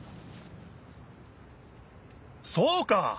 そうか！